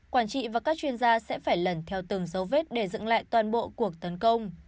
quản trị và các chuyên gia sẽ phải lần theo từng dấu vết để dựng lại toàn bộ cuộc tấn công